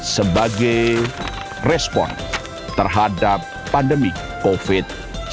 sebagai respon terhadap pandemi covid sembilan belas